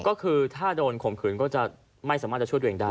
ก็คือถ้าโดนข่มขืนก็จะไม่สามารถจะช่วยตัวเองได้